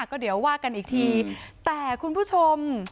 ก็เดี๋ยวว่ากันอีกทีแต่คุณผู้ชม